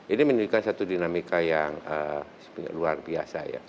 ini menunjukkan satu dinamika yang luar biasa ya